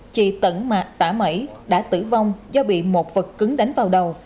chị tận tả mẩy đã tử vong do bị một vật cứng đánh vào đầu